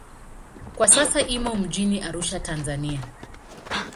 Kwa sasa imo mjini Arusha, Tanzania.